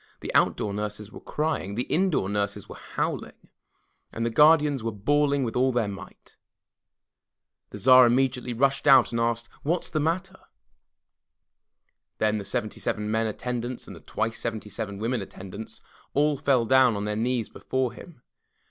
The outdoor nurses were crying; the indoor nurses were howling, and the guardians were bawling with all their might. The Tsar immediately rushed out and asked, "What is the matter?" Then the seventy seven men attendants and the twice seventy seven women attendants all fell down on their knees before him.